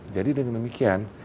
jadi dengan demikian